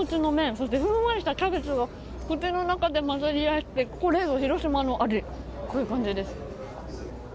そして、ふんわりしたキャベツが口の中で混ざり合ってこれぞ広島の味という感じです。